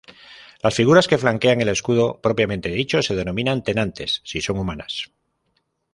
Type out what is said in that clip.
Las figuras que flanquean el escudo propiamente dicho se denominan "tenantes" si son humanas.